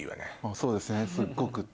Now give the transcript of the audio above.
そうですね「すっごく」。